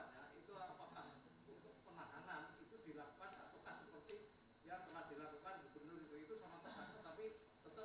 seperti yang pernah dilakukan di jendul itu itu pengototannya tetap tetap